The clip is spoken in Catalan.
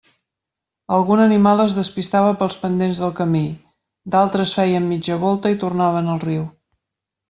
Algun animal es despistava pels pendents del camí, d'altres feien mitja volta i tornaven al riu.